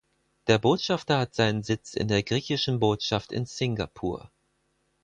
Der Botschafter hat seinen Sitz in der griechischen Botschaft in Singapur.